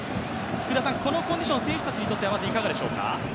このコンディション、選手たちにとってはいかがでしょうか？